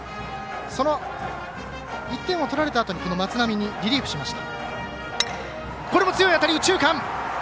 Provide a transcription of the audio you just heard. その１点を取られたあとに松波にリリーフしました。